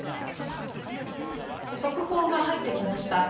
速報が入ってきました。